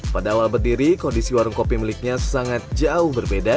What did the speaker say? pada awal berdiri kondisi warung kopi miliknya sangat jauh berbeda